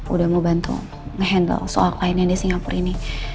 udah mau bantu nge handle soal lainnya di singapura ini